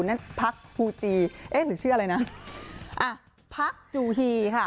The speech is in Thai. นั่นพักฮูจีเอ๊ะหรือชื่ออะไรนะอ่ะพักจูฮีค่ะ